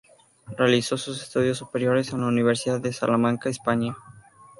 Realizó sus estudios superiores en la Universidad de Salamanca, España.